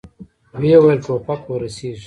ويې ويل: ټوپک ور رسېږي!